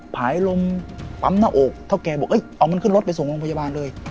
ผายลมปั๊มหน้าอกเท่าแกบอกเอามันขึ้นรถไปส่งโรงพยาบาลเลย